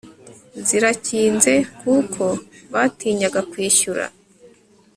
zirakinze kuko batinyaga kwishyura